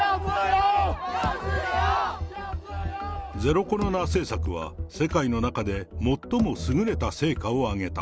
ゼロコロナ政策は世界の中で最も優れた成果をあげた。